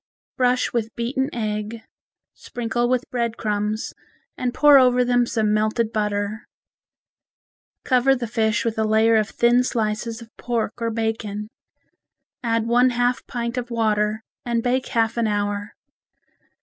Brush with beaten egg, sprinkle with bread crumbs and pour over them some melted butter. Cover the fish with a layer of thin slices of pork or bacon. Add one half pint of water and bake half an hour.